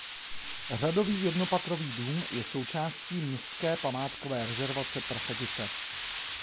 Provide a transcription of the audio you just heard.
Řadový jednopatrový dům je součástí městské památkové rezervace Prachatice.